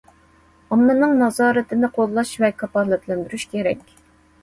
ئاممىنىڭ نازارىتىنى قوللاش ۋە كاپالەتلەندۈرۈش كېرەك.